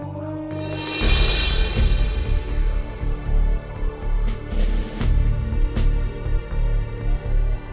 wah indah sekali